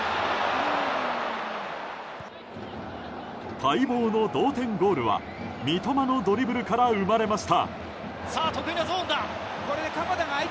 待望の同点ゴールは三笘のドリブルから生まれました。